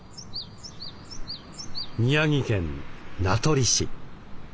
宮城県名取市。